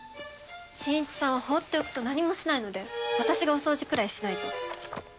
真一さんは放っておくと何もしないので私がお掃除くらいしないと。